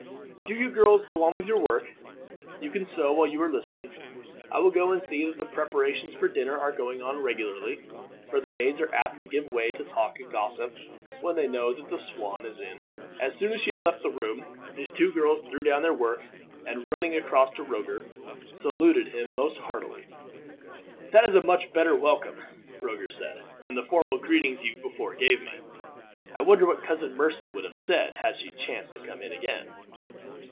"Do you girls go on with your work. You can sew while you are listening. I will go and see that the preparations for dinner are going on regularly, for the maids are apt to give way to talk and gossip, when they know that the Swan is in." As soon as she had left the room, the two girls threw down their work and, running across to Roger, saluted him most heartily. "That is a much better welcome," Roger said, "than the formal greetings you before gave me. I wonder what Cousin Mercy would have said, had she chanced to come in again."